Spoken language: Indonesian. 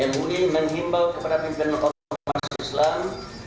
lima mui menghimbau kepada pimpinan orang masyarakat islam